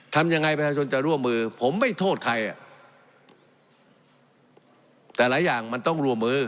ทำยังไงประชาชนจะร่วมมือผมไม่โทษใครอ่ะแต่หลายอย่างมันต้องร่วมมือ